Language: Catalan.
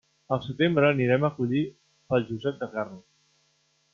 Al setembre anirem a collir pel Josep de Carro.